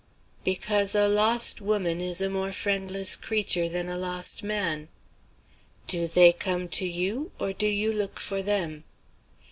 "Because a lost woman is a more friendless creature than a lost man." "Do they come to you? or do you look for them?"